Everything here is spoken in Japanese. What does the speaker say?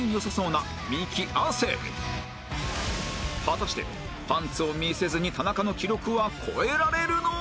果たしてパンツを見せずに田中の記録は超えられるのか？